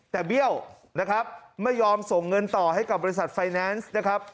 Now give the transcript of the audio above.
แต่เบี้ยวนะครับไม่ยอมส่งเงินต่อให้กับบริษัทไฟแนนซ์นะครับ